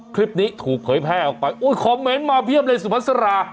คลิปนี้ถูกเผยแพร่ออกไปอุ้ยคอมเมนต์มาเพียบเลยสุภาษา